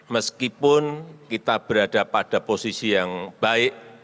meskipun kita berada pada posisi yang baik